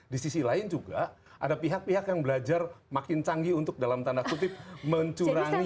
di sisi lain juga ada pihak pihak yang belajar makin canggih untuk dalam tanda kutip mencurangi